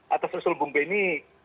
atas resul bung beni